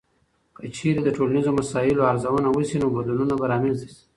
که چیرې د ټولنیزو مسایلو ارزونه وسي، نو بدلونونه به رامنځته سي.